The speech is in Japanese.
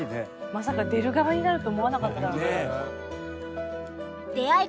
まさか出る側になると思わなかっただろうね。